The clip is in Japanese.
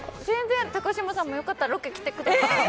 高嶋さんも良かったらロケ来てください。